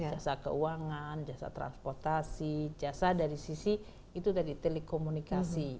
jasa keuangan jasa transportasi jasa dari sisi telekomunikasi